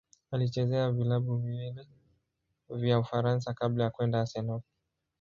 Alichezea vilabu viwili vya Ufaransa kabla ya kwenda Arsenal.